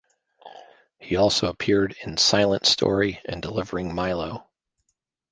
He also appeared in "Silent Story" and "Delivering Milo".